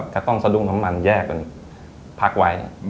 ก็ต้องสะดุ้งน้ำมันแยกกันพักไว้